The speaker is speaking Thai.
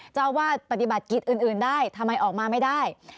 เจ้าอาวาสปฏิบัติกิจอื่นได้ทำไมออกมาไม่ได้